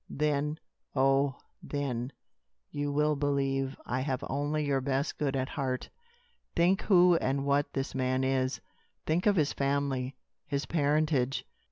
Then, oh, then, you will believe I have only your best good at heart. Think who and what this man is. Think of his family his parentage.